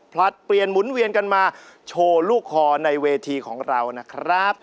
ผลัดเปลี่ยนหมุนเวียนกันมาโชว์ลูกคอในเวทีของเรานะครับ